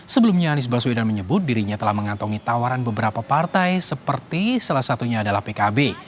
sebelumnya anies baswedan menyebut dirinya telah mengantongi tawaran beberapa partai seperti salah satunya adalah pkb